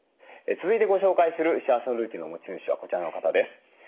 続いてご紹介する幸せのルーティンの持ち主はこちらの方です。